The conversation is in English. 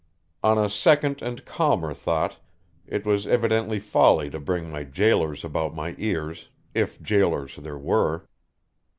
On a second and calmer thought it was evidently folly to bring my jailers about my ears, if jailers there were.